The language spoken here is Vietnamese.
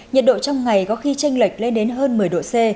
nhiệt độ trong ngày có khi tranh lệch lên đến hơn một mươi độ c